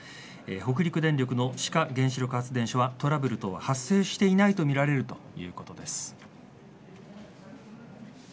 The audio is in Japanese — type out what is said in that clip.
北陸電力の志賀原子力発電所はトラブルなどは発生していないようにみられるということです。